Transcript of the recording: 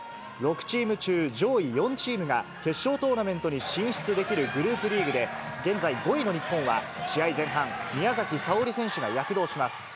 ６チーム中、上位４チームが決勝トーナメントに進出できるグループリーグで、現在５位の日本は、試合前半、宮崎早織選手が躍動します。